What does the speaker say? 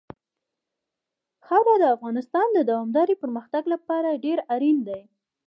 خاوره د افغانستان د دوامداره پرمختګ لپاره ډېر اړین دي.